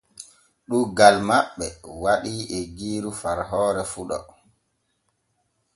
Ɗuuggal maɓɓe waɗii eggiiru far hoore fuɗo.